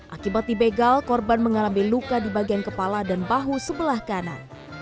akibat dibegal korban mengalami luka di bagian kepala dan bahu sebelah kanan